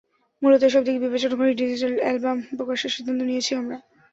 মূলত এসব দিক বিবেচনা করেই ডিজিটালি অ্যালবাম প্রকাশের সিদ্ধান্ত নিয়েছি আমরা।